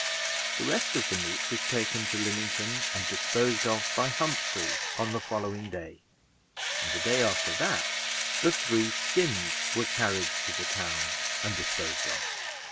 The rest of the meat was taken to Lymington and disposed of by Humphrey on the following day; and the day after that the three skins were carried to the town and disposed of.